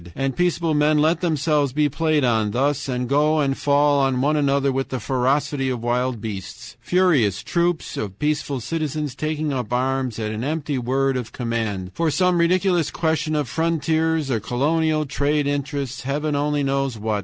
And peaceable men let themselves be played on thus and go and fall on one another with the ferocity of wild beasts; furious troops of peaceful citizens taking up arms at an empty word of command, for some ridiculous question of frontiers or colonial trade interests Heaven only knows what...